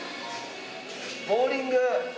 ボウリング！